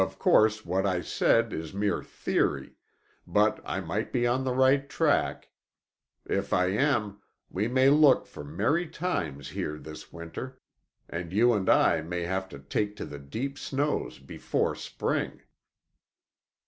Of course, what I said, is mere theory, but I might be on the right track. If I am, we may look for merry times here this winter, and you and I may have to take to the deep snows before spring."